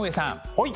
はい。